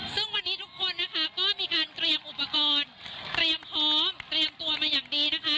ซึ่งวันนี้ทุกคนนะคะก็มีการเตรียมอุปกรณ์เตรียมพร้อมเตรียมตัวมาอย่างดีนะคะ